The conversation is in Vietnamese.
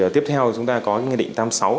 tiếp theo chúng ta có nghị định tám mươi sáu